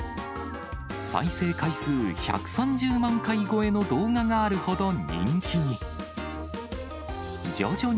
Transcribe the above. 再生回数１３０万回超えの動画があるほど人気に。